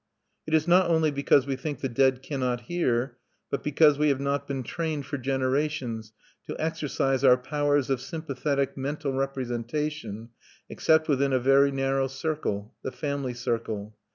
It is not only because we think the dead cannot hear, but because we have not been trained for generations to exercise our powers of sympathetic mental representation except within a very narrow circle, the family circle.